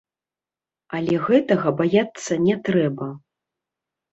Але гэтага баяцца не трэба.